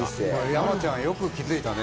山ちゃん、よく気付いたね。